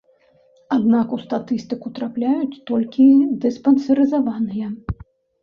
Аднак у статыстыку трапляюць толькі дыспансерызаваныя.